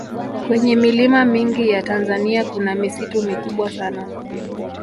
kwenye milima mingi ya tanzania kuna misitu mikubwa sana